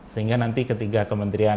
sehingga nanti ketiga kementerian